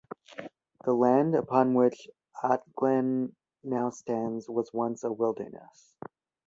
The land upon which Atglen now stands was once a wilderness.